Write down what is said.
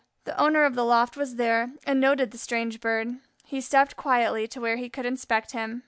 The owner of the loft was there and noted the strange Bird. He stepped quietly to where he could inspect him.